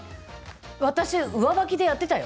私、上履きでやっていたよ。